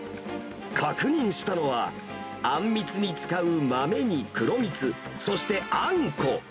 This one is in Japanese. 確認したのは、あんみつに使う豆に黒蜜、そしてあんこ。